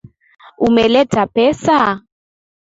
Umeleta pesa?